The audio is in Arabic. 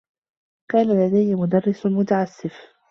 كان لديّ مدرّس متعسّف.